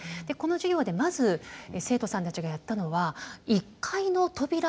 でこの授業でまず生徒さんたちがやったのは１階の扉